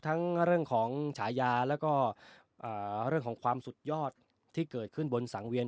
ทั้งเรื่องของฉายาแล้วก็เรื่องของความสุดยอดที่เกิดขึ้นบนสังเวียน